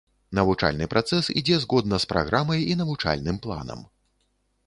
Навучальны працэс ідзе згодна з праграмай і навучальным планам.